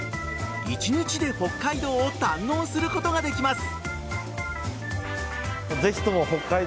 １日で北海道を堪能することができます。